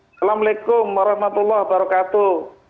assalamualaikum warahmatullahi wabarakatuh